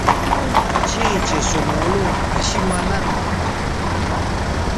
چیئں چہء سو مولوں اشی مہ ننوں